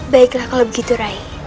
baiklah kalau begitu rai